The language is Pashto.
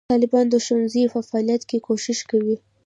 طالبان د ښوونځیو په فعالولو کې کوښښ کوي.